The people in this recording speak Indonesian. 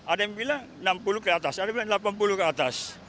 ada yang bilang enam puluh ke atas ada yang bilang delapan puluh ke atas